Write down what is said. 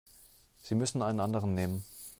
Sie müssen einen anderen nehmen.